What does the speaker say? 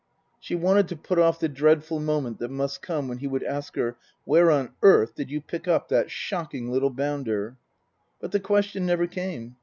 She wanted to put off the dreadful moment that must come when he would ask her :" Where on earth did you pick up that shocking little bounder ?" But the question never came.